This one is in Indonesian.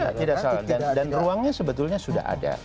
ya tidak salah dan ruangnya sebetulnya sudah ada